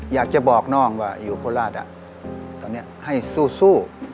อยากจะบอกน้องว่าอยู่โคราชตอนนี้ให้สู้